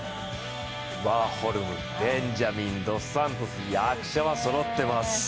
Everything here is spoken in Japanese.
ワーホルム、ベンジャミン、ドス・サントス役者はそろっています。